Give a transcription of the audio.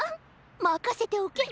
まかせておけ！